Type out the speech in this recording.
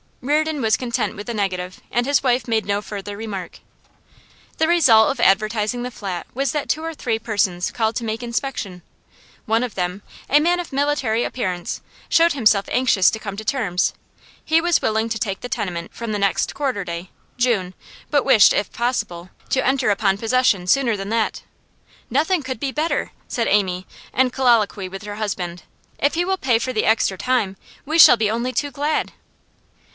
Reardon was content with the negative, and his wife made no further remark. The result of advertising the flat was that two or three persons called to make inspection. One of them, a man of military appearance, showed himself anxious to come to terms; he was willing to take the tenement from next quarter day (June), but wished, if possible, to enter upon possession sooner than that. 'Nothing could be better,' said Amy in colloquy with her husband. 'If he will pay for the extra time, we shall be only too glad.